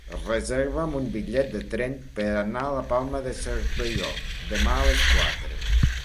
Reserva'm un bitllet de tren per anar a la Palma de Cervelló demà a les quatre.